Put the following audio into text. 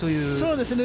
そうですね。